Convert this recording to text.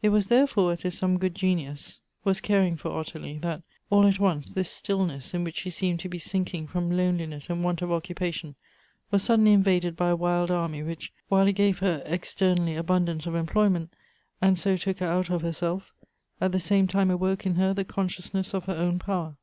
It was therefore as if some good genius was caring for 174 Goethe's Ottilie, that, all at once, this stillness, in which she seemed to be sinking from loneliness and want of occupation, was suddenly invaded by a wild army, which, while it gave her externally abundance of employment, and so took her out of herself, at the same time awoke in her the consciousness of her own power.